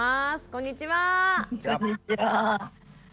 こんにちは。